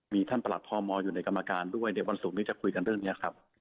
มีท่านประหลัดพมอยู่ในกรรมการด้วยเดี๋ยววันศุกร์นี้จะคุยกันเรื่องนี้ครับ